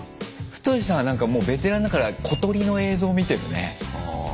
ふとしさんはもうベテランだから小鳥の映像見てるね。